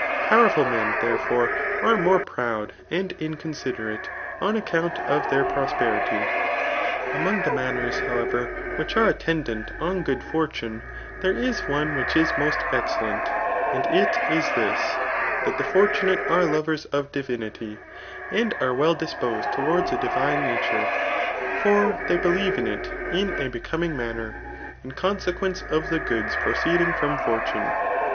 Powerful men, therefore, are more proud and inconsiderate, on account of their prosperity. Among the manners^ however^ l.>6 TH£ AV^V Of BOOK XI. •xhich are attendant on good fortune^ there is onejvhich is most excellent^ and it is this^ that the fortunate are lovers qfdivtnity^ and are Tvell disposed to^uirds a dmne nature / for they believe in it [in a becoming manner^Ji in consequence qf the goods proceedmg from forttme.